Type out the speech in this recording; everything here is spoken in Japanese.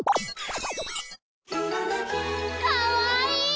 かわいい！